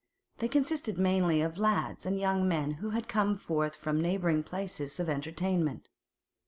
They consisted mainly of lads and young men who had come forth from neighbouring places of entertainment.